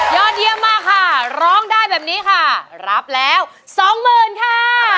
ยอดเยี่ยมมากค่ะร้องได้แบบนี้ค่ะรับแล้วสองหมื่นค่ะ